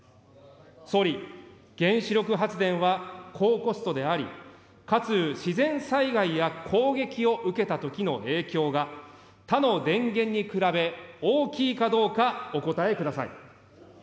総理、原子力発電は高コストであり、かつ自然災害や攻撃を受けたときの影響が、他の電源に比べ大きいかどうか、お答えください。